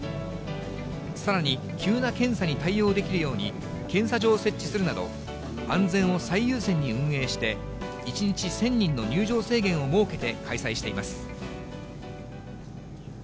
さらに、急な検査に対応できるように、検査所を設置するなど、安全を最優先に運営して、１日１０００人の入場制限を設けて開催しています。